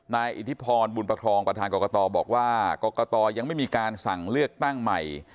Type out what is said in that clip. อิทธิพรบุญประครองประธานกรกตบอกว่ากรกตยังไม่มีการสั่งเลือกตั้งใหม่